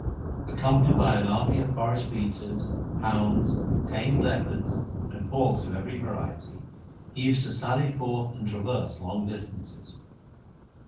Accompanied by an army of forest beaters, hounds, tame leopards, and hawks of every variety, he used to sally forth and traverse long distances.